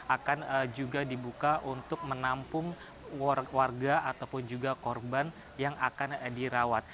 akan juga dibuka untuk menampung warga ataupun juga korban yang akan dirawat